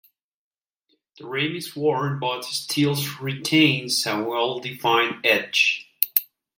The rim is worn but still retains a well-defined edge.